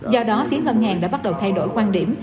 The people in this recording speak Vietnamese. do đó phía ngân hàng đã bắt đầu thay đổi quan điểm